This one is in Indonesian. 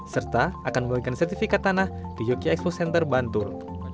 serta akan memberikan sertifikat tanah di yogyakarta expo center bantul